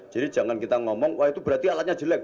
jadi jangan kita ngomong wah itu berarti alatnya jelek